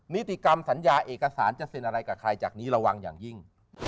นิติกรรมสัญญาเอกสารจะเซ็นอะไรกับใครจากนี้ระวังอย่างยิ่ง